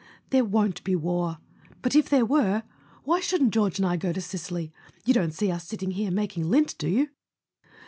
"There won't be war. But if there were—why shouldn't George and I go to Sicily ? You don't see us sitting here making lint, do you?"